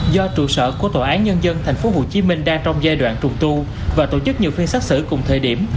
do trụ sở của tòa án nhân dân tp hcm đang trong giai đoạn trùng tu và tổ chức nhiều phiên xác xử cùng thời điểm